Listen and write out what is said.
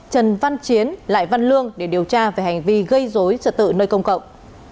trần văn chiến lại văn lương để điều tra về hành vi gây dối trật tự nơi công cộng